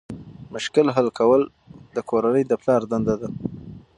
مشکل حل کول د کورنۍ د پلار دنده ده.